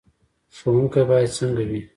ښوونکی باید څنګه وي؟